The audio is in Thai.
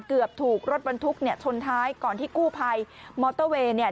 เกือบถูกรถบรรทุกเนี่ยชนท้ายก่อนที่กู้ภัยมอเตอร์เวย์เนี่ย